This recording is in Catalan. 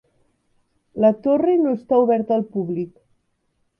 La torre no està oberta al públic.